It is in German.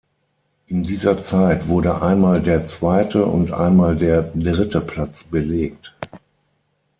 In dieser Zeit wurde einmal der zweite und einmal der dritte Platz belegt.